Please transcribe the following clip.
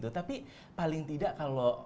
tapi paling tidak kalau